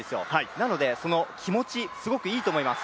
なので、その気持ち、すごくいいと思います。